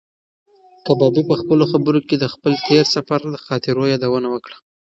کبابي په خپلو خبرو کې د خپل تېر سفر د خاطرو یادونه وکړه.